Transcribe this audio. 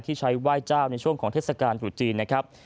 ที่ใช้ไหว้เจ้าในช่วงของเทศกาลตรุษจีนนะครับ